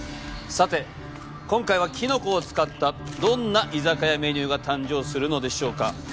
さて今回はきのこを使ったどんな居酒屋メニューが誕生するのでしょうか？